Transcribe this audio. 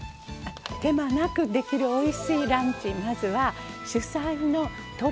手間なくできるおいしいランチ。